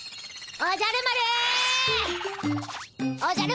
おじゃる丸？